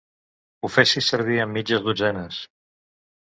Ho fessis servir amb mitges dotzenes.